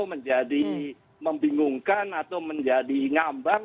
menjadi membingungkan atau menjadi ngambang